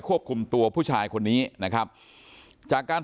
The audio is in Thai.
ควบคุมตัวผู้ชายคนนี้นะครับจากการ